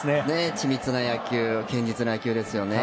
緻密な野球堅実な野球ですよね。